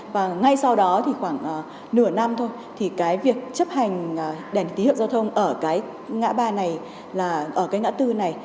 và ngay sau đó thì khoảng nửa năm thôi thì cái việc chấp hành đèn tín hiệu giao thông ở cái ngã ba này ở cái ngã bốn này